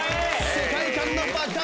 世界観の爆発。